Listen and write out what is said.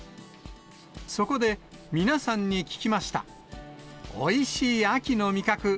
そこで、皆さんに聞きました。